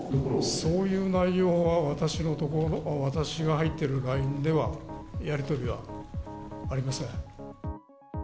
そういう内容は、私が入ってるＬＩＮＥではやり取りはありません。